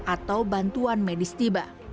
atau bantuan medis tiba